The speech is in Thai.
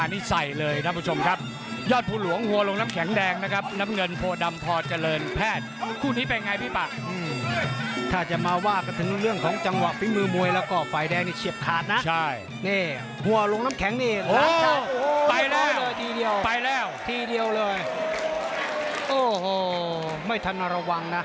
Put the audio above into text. นี่หัวหลงน้ำแข็งนี่โอ้โหไปแล้วไปแล้วทีเดียวเลยโอ้โหไม่ทันระวังนะ